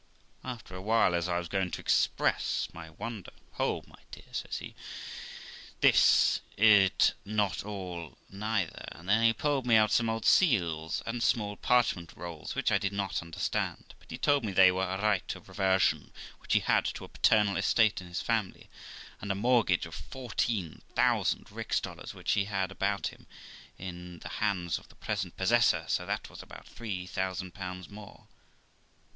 After a while, as I was going to express my wonder, 'Hold, my dear', says he, 'this it not all neither'; then he pulled me out some old seals, and small parchment rolls, which I did not understand; but he told me they were a right of reversion which he had to a paternal estate in his family, and a mortgage of 14,000 rixdollars, which he had upon it, in the hands of the present possessor; so that was about 3000 more.